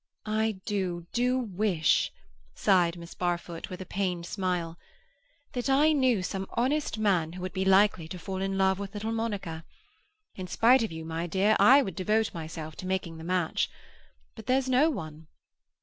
"I do, do wish," sighed Miss Barfoot, with a pained smile, "that I knew some honest man who would be likely to fall in love with little Monica! In spite of you, my dear, I would devote myself to making the match. But there's no one."